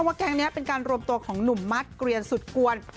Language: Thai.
ว่าแก๊งตัวแก๊งนี้เป็นการรวมตัวของนุ่มมัดเกลียนสุดกวน